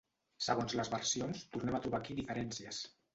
Segons les versions, tornem a trobar aquí diferències.